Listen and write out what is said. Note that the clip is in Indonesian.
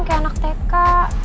kayak anak teka